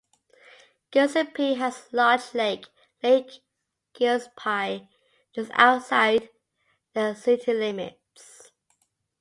Gillespie has a large lake, Lake Gillespie, just outside the city limits.